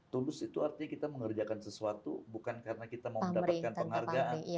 tulus itu artinya kita mengerjakan sesuatu bukan karena kita mau mendapatkan penghargaan